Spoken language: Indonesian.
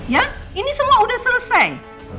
ya ini semua sudah selesai